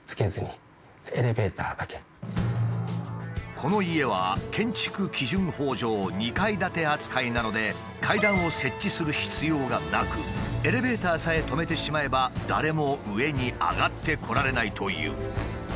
この家は建築基準法上２階建て扱いなので階段を設置する必要がなくエレベーターさえ止めてしまえば誰も上に上がってこられないという。